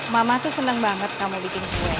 mama tuh seneng banget kamu bikin gue